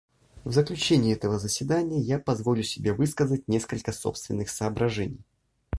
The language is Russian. В заключение этого заседания я позволю себе высказать несколько собственных соображений.